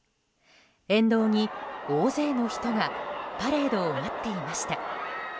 沿道に大勢の人がパレードを待っていました。